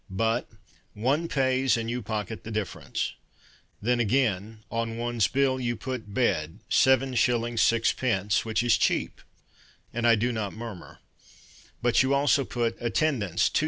But One pays, And you pocket the difference. Then, again, on one's bill You put Bed, 7s. 6d. Which is cheap; And I do not murmur; But you also put Attendance, 2s.